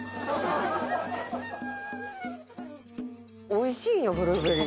「おいしいんやブルーベリーって」